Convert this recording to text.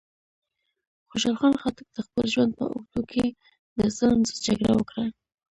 خوشحال خان خټک د خپل ژوند په اوږدو کې د ظلم ضد جګړه وکړه.